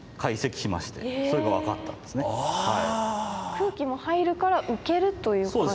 空気も入るから浮けるという感じ。